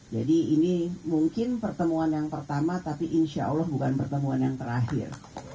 jadi ini mungkin pertemuan yang pertama tapi insya allah bukan pertemuan yang terakhir